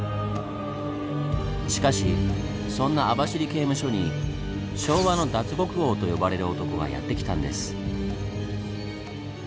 しかしそんな網走刑務所に「昭和の脱獄王」と呼ばれる男がやって来たんです。